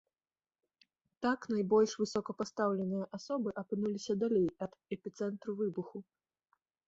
Так найбольш высокапастаўленыя асобы апынуліся далей ад эпіцэнтру выбуху.